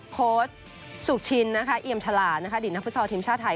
โคตรสุขชินนะคะเอียมฉลาดนะคะดินักฟุตสอบทีมชาติไทย